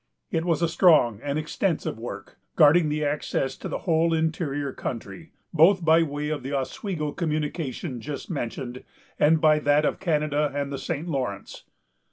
It was a strong and extensive work, guarding the access to the whole interior country, both by way of the Oswego communication just mentioned, and by that of Canada and the St. Lawrence.